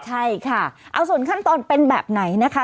ใช่ค่ะเอาส่วนขั้นตอนเป็นแบบไหนนะคะ